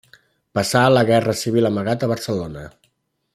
Passà la Guerra Civil amagat a Barcelona.